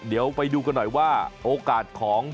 เดี๋ยวไปดูกันหน่อยว่าโอกาสของ